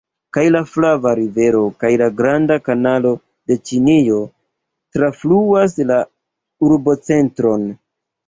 Kaj la Flava Rivero kaj la Granda Kanalo de Ĉinio trafluas la urbocentron.